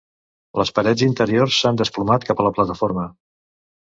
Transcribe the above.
Les parets interiors s'han desplomat cap a la plataforma.